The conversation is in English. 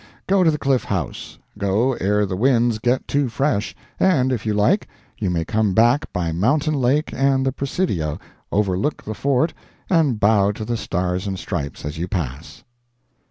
Go to the Cliff House. Go ere the winds get too fresh, and if you like, you may come back by Mountain Lake and the Presidio, overlook the Fort, and bow to the Stars and Stripes as you pass.